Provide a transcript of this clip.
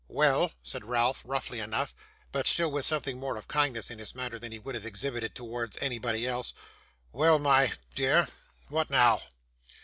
'Well,' said Ralph, roughly enough; but still with something more of kindness in his manner than he would have exhibited towards anybody else. 'Well, my dear. What now?